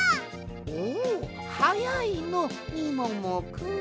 おっはやいのみももくん。